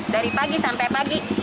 dari pagi sampai pagi